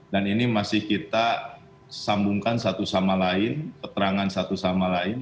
dan ini masih kita sambungkan satu sama lain keterangan satu sama lain